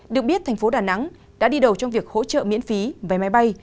được biết thành phố đà nẵng đã đi đầu trong việc hỗ trợ miễn phí vé máy bay